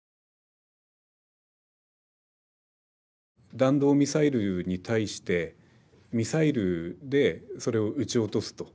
弾道ミサイルに対してミサイルでそれを撃ち落とすと。